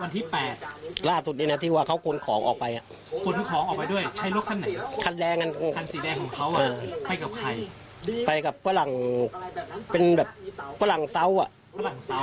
ตำรวจมาหาผมถามผมฮะเจ๊แล้วเขาไปดูที่บ้านด้วย